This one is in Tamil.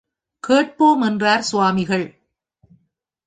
கேட்போம் என்றார் சுவாமிகள்.